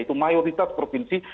itu mayoritas provinsi